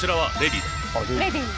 あレディー。